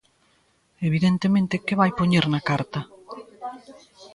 Evidentemente, ¿que vai poñer na carta?